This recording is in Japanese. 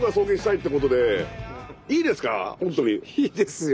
いいですよ